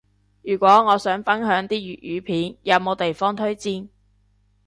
如果我想分享啲粵語片，有冇地方推薦？